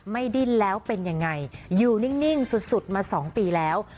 ดิ้นแล้วเป็นยังไงอยู่นิ่งสุดมา๒ปีแล้ว